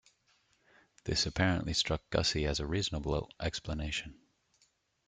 This apparently struck Gussie as a reasonable explanation.